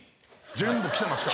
全部来てました。